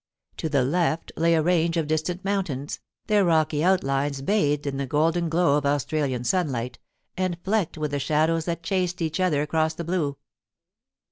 To the left lay a range of distant mountains, their rocky outlines bathed in the golden glow of Australian sunlight, and flecked with the shadows that chased each other across the blue.